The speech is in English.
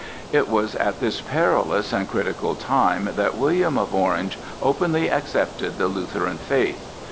It was at this perilous and critical time that William of Orange openly accepted the Lutheran faith.